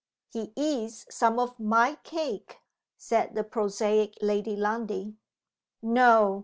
"He eats some of My cake," said the prosaic Lady Lundie. "No!"